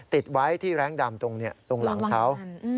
ติดไว้ที่แรงดำตรงหลังเขา